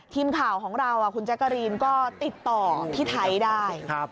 ทีมข่าวของเราคุณแจ๊กกะรีนก็ติดต่อพี่ไทยได้